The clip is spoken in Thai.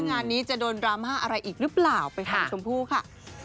งานนี้จะโดนดราม่าอะไรอีกหรือเปล่าไปฟังชมพู่ค่ะ